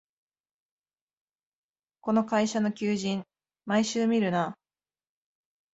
この会社の求人、毎週見るな